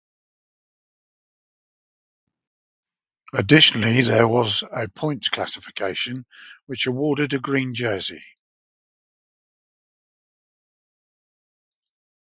Additionally, there was a points classification, which awarded a green jersey.